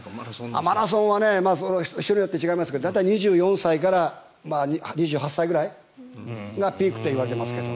マラソンは人によって違いますけど２４歳から２８歳ぐらいがピークといわれてますけど。